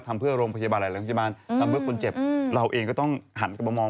ใช่เพราะว่าเขาวิ่งทั้งหมด๕๕วัน